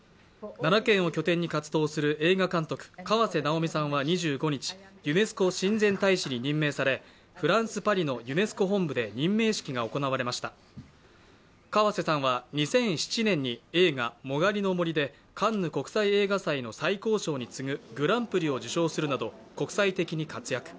奈良県を拠点に活動する映画監督・河瀬直美さんは２５日、ユネスコ親善大使に任命され、フランス・パリのユネスコ本部で任命式が行われましたぁ河瀬さんは２００７年に映画「殯の森」でカンヌ国際映画祭の最高賞に次ぐグランプリを受賞するなど国際的に活躍。